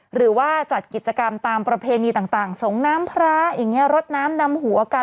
หรือว่าจัดกิจกรรมตามประเพณีต่างสงน้ำพระอย่างนี้รดน้ำดำหัวกัน